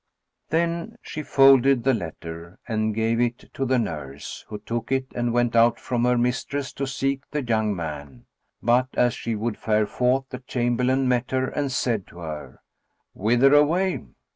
Then she folded the letter and gave it to the nurse, who took it and went out from her mistress to seek the young man; but, as she would fare forth, the chamberlain met her and said to her, "Whither away?"